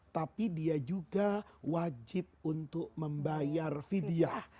tapi dia juga wajib untuk membayar vidyah